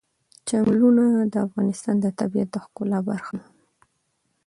چنګلونه د افغانستان د طبیعت د ښکلا برخه ده.